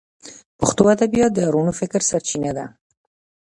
پښتو ادبیات د روڼ فکر سرچینه ده.